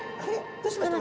どうしました？